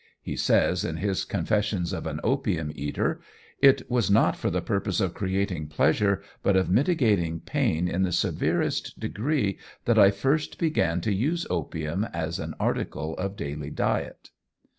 He says, in his Confessions of an Opium Eater, "It was not for the purpose of creating pleasure, but of mitigating pain in the severest degree, that I first began to use opium as an article of daily diet."